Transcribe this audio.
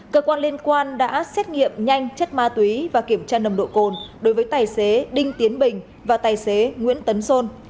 cơ quan liên quan đã xét nghiệm nhanh chất ma túy và kiểm tra nồng độ cồn đối với tài xế đinh tiến bình và tài xế nguyễn tấn sôn